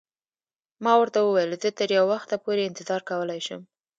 ما ورته وویل: زه تر یو وخته پورې انتظار کولای شم.